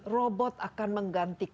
robot akan menggantung